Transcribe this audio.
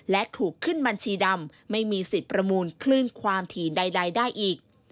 และถูกขึ้นบัญชีดำไม่มีสิทธิ์ประมูลคลื่นความถี่ใดได้อีก